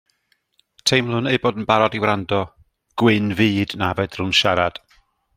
Teimlwn eu bod yn barod i wrando, gwyn fyd na fedrwn siarad.